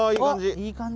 いい感じ。